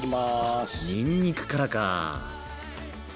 にんにくからか。